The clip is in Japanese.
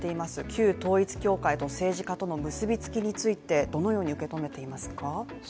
旧統一教会と政治家との結びつきについてどのように受け止めていますか？